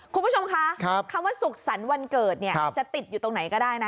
คุณผู้ชมคะคำว่าสุขสรรค์วันเกิดเนี่ยจะติดอยู่ตรงไหนก็ได้นะ